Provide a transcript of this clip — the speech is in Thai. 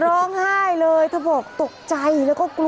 โอ้โฮโอ้โฮ